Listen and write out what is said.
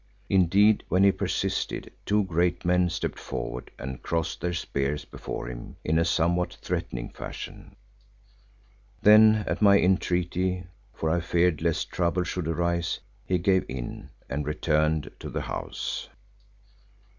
Indeed, when he persisted, two great men stepped forward and crossed their spears before him in a somewhat threatening fashion. Then at my entreaty, for I feared lest trouble should arise, he gave in and returned to the house.